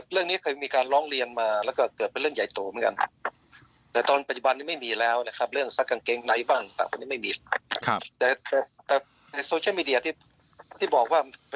เรื่องนี้เคยมีการร้องเรียนมาและให้เกิดเป็นเรื่องใหญ่โศก